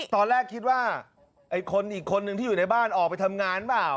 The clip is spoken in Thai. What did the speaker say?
ตอนแรกคิดว่าไอ้คนอีกคนนึงที่อยู่ในบ้านออกไปทำงานเปล่า